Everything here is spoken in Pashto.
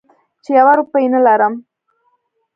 چې یوه روپۍ نه لرم.